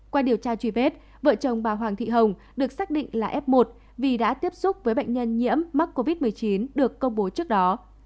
qua điều tra truy vết vợ chồng bà hoàng thị hồng được xác định là f một vì đã tiếp xúc với bệnh nhân nhiễm mắc covid một mươi chín được công bố trước đó